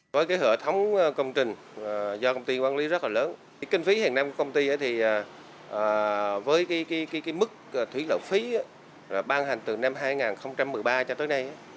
với mức thủy lợi phí ban hành từ năm hai nghìn một mươi ba cho tới nay